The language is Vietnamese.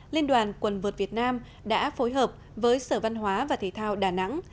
liên đoàn quần vợt việt nam đã phối hợp với sở văn hóa và thể thao đà nẵng